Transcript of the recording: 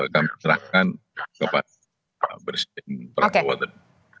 kami serahkan kepada presiden perangkauan